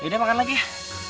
udah makan lagi ya